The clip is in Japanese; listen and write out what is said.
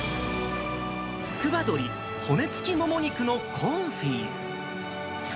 つくば鶏骨付きもも肉のコンフィ。